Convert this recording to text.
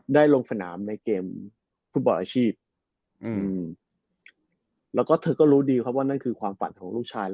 ลงสนามในเกมฟุตบอลอาชีพอืมแล้วก็เธอก็รู้ดีครับว่านั่นคือความฝันของลูกชาย